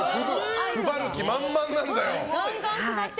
配る気満々なんだよ。